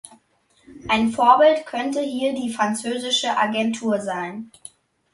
Ein Vorbild könnte hier die französische Agentur sein.